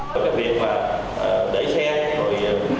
có cái việc mà đẩy xe rồi